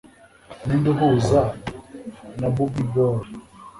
Ninde Uhuza na Bobby Ball